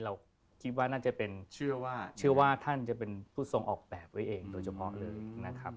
เราคิดว่าน่าจะเป็นเชื่อว่าเชื่อว่าท่านจะเป็นผู้ทรงออกแบบไว้เองโดยเฉพาะเลยนะครับ